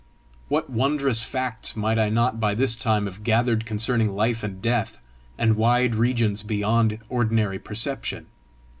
What wondrous facts might I not by this time have gathered concerning life and death, and wide regions beyond ordinary perception!